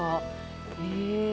へえ。